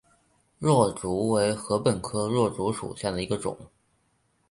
箬竹为禾本科箬竹属下的一个种。